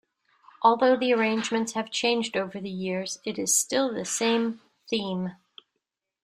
Although the arrangements have changed over the years, it is still the same theme.